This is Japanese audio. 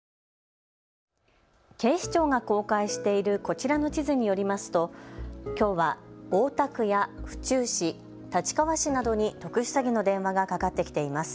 警視庁が公開しているこちらの地図によりますときょうは大田区や府中市、立川市などに特殊詐欺の電話がかかってきています。